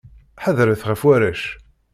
Ḥadret ɣef warrac.